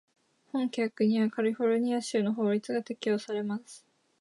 本規約にはカリフォルニア州の法律が適用されます。